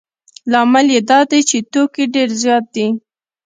لامل یې دا دی چې توکي ډېر زیات دي